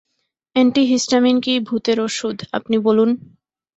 Anti histamine কি ভূতের অষুধ, আপনি বলুন?